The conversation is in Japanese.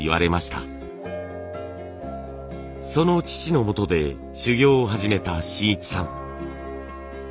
その父のもとで修業を始めた信一さん。